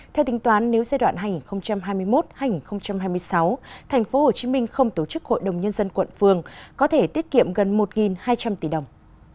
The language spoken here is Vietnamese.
theo tính toán nếu giai đoạn hành hai mươi một hai nghìn hai mươi sáu tp hcm không tổ chức hội đồng nhân dân quận phường có thể tiết kiệm gần một hai trăm linh tỷ đồng